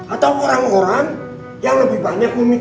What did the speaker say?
atau orang orang yang lebih banyak memimpin